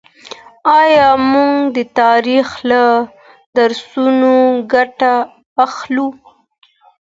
آيا موږ د تاريخ له درسونو ګټه اخلو؟